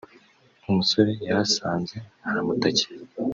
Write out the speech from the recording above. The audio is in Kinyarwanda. umusore yahasanze aramutakira